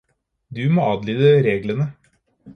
Du må adlyde reglene